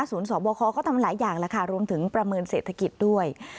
สอบคอเขาทำหลายอย่างแล้วค่ะรวมถึงประเมินเศรษฐกิจด้วย